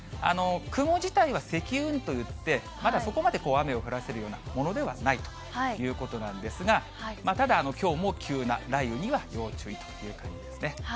雲自体は積雲といって、まだそこまで雨を降らせるようなものではないということなんですが、ただきょうも急な雷雨には要注意という感じですね。